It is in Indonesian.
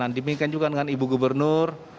dan juga pembimbingan juga dengan ibu gubernur